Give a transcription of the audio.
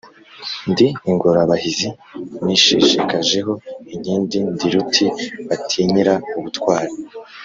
Ndi ingorabahizi nisheshekajeho inkindi, ndi ruti batinyira ubutwali